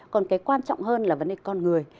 còn cái quan trọng hơn là vấn đề con người